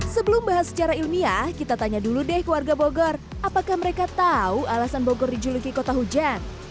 sebelum bahas secara ilmiah kita tanya dulu deh ke warga bogor apakah mereka tahu alasan bogor dijuluki kota hujan